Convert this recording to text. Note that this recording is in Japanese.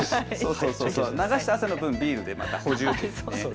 流した汗の分ビールで補充ですね。